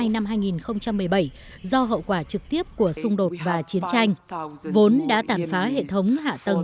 năm hai nghìn một mươi bảy do hậu quả trực tiếp của xung đột và chiến tranh vốn đã tàn phá hệ thống hạ tầng